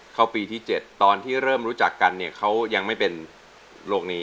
เข้าปีที่๗ตอนที่เริ่มรู้จักกันเนี่ยเขายังไม่เป็นโรคนี้